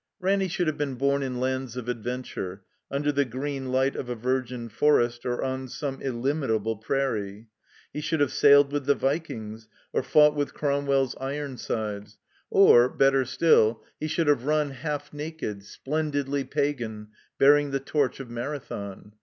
Ranny should have been bom in lands of adven tiu'e, tmder the green light of a virgin forest, or on some illimitable prairie; he shotdd have sailed with the vikings or fought with Cromwell's Ironsides; or, better still, he should have run, half naked, splen didly pagan, bearing the torch of Marathon.